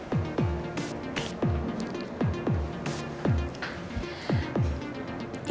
aku kangen deh sama kamu